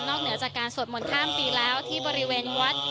เหนือจากการสวดมนต์ข้ามปีแล้วที่บริเวณวัด